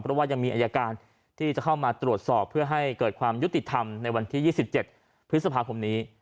เพราะว่ายังมีอายการที่จะเข้ามาตรวจสอบเพื่อให้เกิดความยุติธรรมในวันที่๒๗พฤษภาคมนี้